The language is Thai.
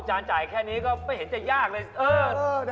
น้ำเข้าใจลแค่นี้ไม่ใช่ทั้งก่อน